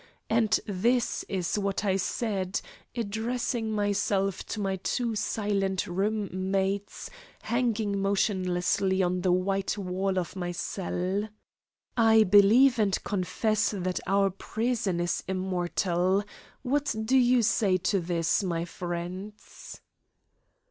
And this is what I said addressing myself to my two silent roommates hanging motionlessly on the white wall of my cell: "I believe and confess that our prison is immortal. What do you say to this, my friends?"